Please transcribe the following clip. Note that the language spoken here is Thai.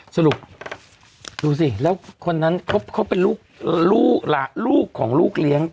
สรุปดูสิแล้วคนนั้นเขาเป็นลูกของลูกเลี้ยง